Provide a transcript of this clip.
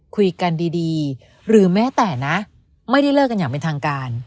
คุยกันดีหรือแม้แต่นะไม่ได้เลิกกันอย่างเป็นทางการ